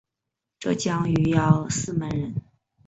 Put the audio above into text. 浙江余姚泗门人。